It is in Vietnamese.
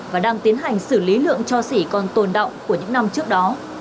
và đang tiến hành xử lý lượng cho xỉ còn tồn động của những năm trước đó